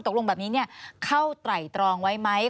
ตกลงแบบนี้เข้าไตรตรองไว้ไหม